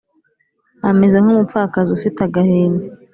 ameze nk’umupfakazi ufite agahinda